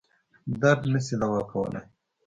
درد نه شي دوا کولای.